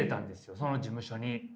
その事務所に。